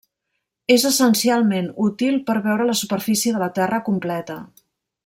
És essencialment útil per veure la superfície de la Terra completa.